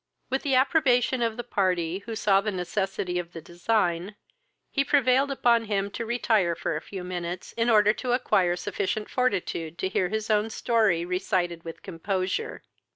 With the approbation of the party, who saw the necessity of the design, he prevailed upon him to retire for a few minutes, in order to acquire sufficient fortitude to hear his own story recited with composure.